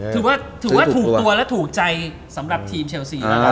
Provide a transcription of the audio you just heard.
ถือว่าถูกตัวและถูกใจสำหรับทีมเชลซี